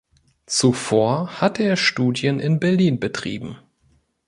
Zuvor hatte er Studien in Berlin betrieben.